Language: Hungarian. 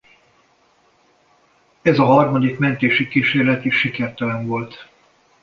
Ez a harmadik mentési kísérlet is sikertelen volt.